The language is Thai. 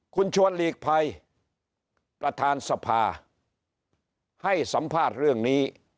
คุณชวนหลีกภัยประธานสภาให้สัมภาษณ์เรื่องนี้